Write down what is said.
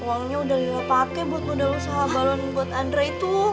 uangnya udah lila pake buat modal usaha balon buat andre itu